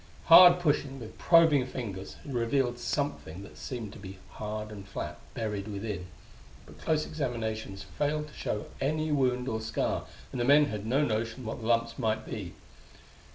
Hard pushing with probing fingers had revealed something that seemed to be hard and flat, buried within; but close examinations failed to show any wound or scar, and the men had no notion what the lumps might be.